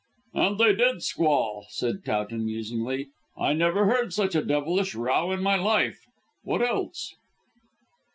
"And they did squall," said Towton musingly. "I never heard such a devilish row in my life. What else?"